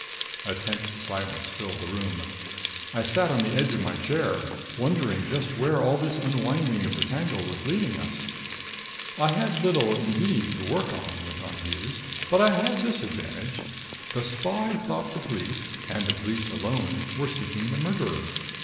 A tense silence filled the room. I sat on the edge of my chair, wondering just where all this unwinding of the tangle was leading us. "I had little, indeed, to work on," went on Hughes. "But I had this advantage: the spy thought the police, and the police alone, were seeking the murderer.